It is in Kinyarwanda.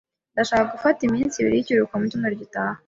Ndashaka gufata iminsi ibiri y'ikiruhuko mu cyumweru gitaha.